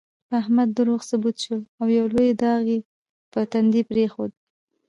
په احمد دروغ ثبوت شول، او یو لوی داغ یې په تندي پرېښود.